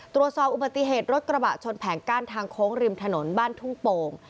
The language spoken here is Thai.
ตรวจสอบอุบัติเหตุรถกระบะชนแผงกั้นทางโค้งริมถนนบ้านทุ่งโป่ง